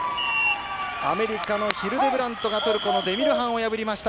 アメリカのヒルデブラントがトルコのデミルハンを破りました